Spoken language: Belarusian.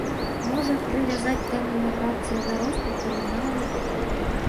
Можна прывязаць тэму міграцыі да росту крыміналу.